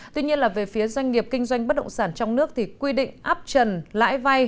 tuy nhiên là về phía doanh nghiệp kinh doanh bất động sản trong nước thì quy định áp trần lãi vay